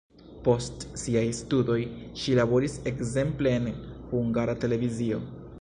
Post siaj studoj ŝi laboris ekzemple en Hungara Televizio.